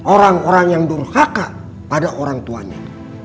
orang orang yang durhaka pada orang tuanya